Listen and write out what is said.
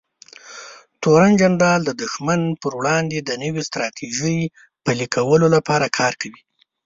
تورن جنرال د دښمن پر وړاندې د نوې ستراتیژۍ پلي کولو لپاره کار کوي.